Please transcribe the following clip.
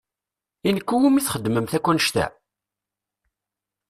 I nekk i wumi txedmemt akk annect-a?